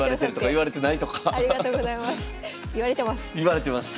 言われてます！